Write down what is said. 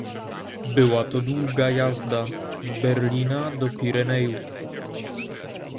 "Była to długa jazda z Berlina do Pirenejów."